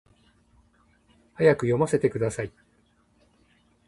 早く読ませてください